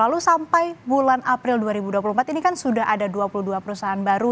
lalu sampai bulan april dua ribu dua puluh empat ini kan sudah ada dua puluh dua perusahaan baru